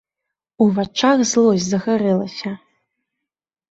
У вачах злосць загарэлася.